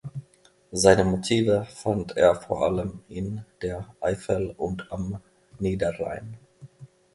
Seine Motive fand er vor allem in der Eifel und am Niederrhein.